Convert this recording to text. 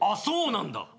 そうなんだ。